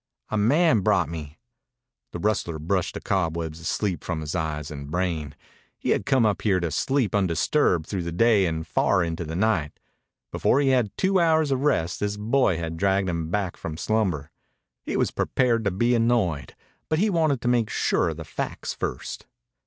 "A man brought me." The rustler brushed the cobwebs of sleep from his eyes and brain. He had come up here to sleep undisturbed through the day and far into the night. Before he had had two hours of rest this boy had dragged him back from slumber. He was prepared to be annoyed, but he wanted to make sure of the facts first.